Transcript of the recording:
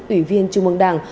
ủy viên trung ương đảng